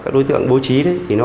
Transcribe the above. đối tượng bố trí